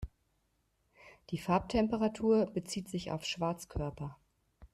Die Farbtemperatur bezieht sich auf Schwarzkörper.